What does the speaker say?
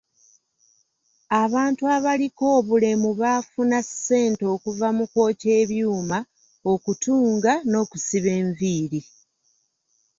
Abantu abaliko obulemu baafuna ssente okuva mu kwokya ebyuma, okutunga n'okusiba enviiri.